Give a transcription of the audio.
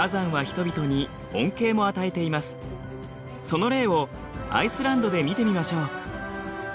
その例をアイスランドで見てみましょう。